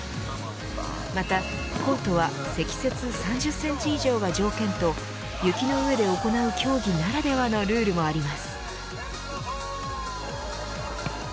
またコートは積雪３０センチ以上が条件と雪の上で行う競技ならではのルールもあります。